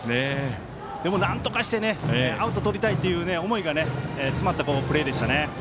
でも、なんとかしてアウトとりたいという思いが詰まったプレーでしたね。